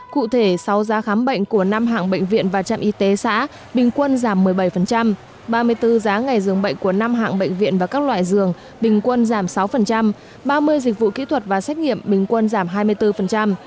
cụ thể sau giá khám bệnh của năm hạng bệnh viện và trạm y tế xã bình quân giảm một mươi bảy ba mươi bốn giá ngày dường bệnh của năm hạng bệnh viện và các loại dường bình quân giảm sáu ba mươi dịch vụ kỹ thuật và xét nghiệm bình quân giảm hai mươi bốn